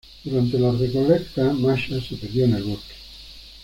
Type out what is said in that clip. Durante la recolecta, Masha se perdió en el bosque.